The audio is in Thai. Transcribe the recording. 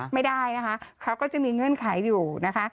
ไม่ได้นะคะเขาก็จะมีเงื่อนไขอยู่นะคะ